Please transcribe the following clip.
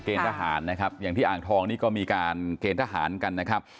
ทหารนะครับอย่างที่อ่างทองนี่ก็มีการเกณฑ์ทหารกันนะครับ